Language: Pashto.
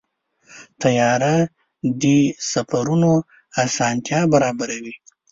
طیاره د سفرونو اسانتیا برابروي.